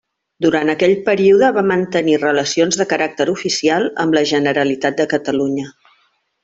Durant aquell període va mantenir relacions de caràcter oficial amb la Generalitat de Catalunya.